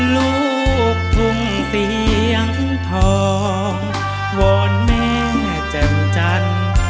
ลูกทุ่งเสียงทองวอนแม่แจ่มจันทร์